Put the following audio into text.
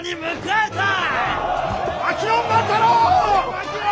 槙野！